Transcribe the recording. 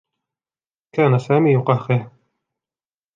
كان سامي يقهقه.